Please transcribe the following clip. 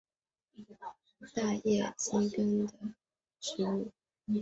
大叶银背藤是旋花科银背藤属的植物。